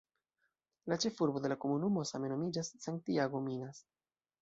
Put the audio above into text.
La ĉefurbo de la komunumo same nomiĝas "Santiago Minas".